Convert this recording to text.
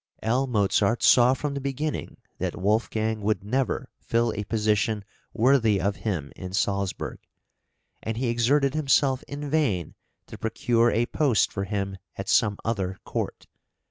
L. Mozart saw from the beginning that Wolfgang would never fill a position worthy of him in Salzburg; and he exerted himself in vain to procure a post for him at some other court.